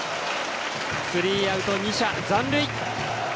スリーアウト、２者残塁。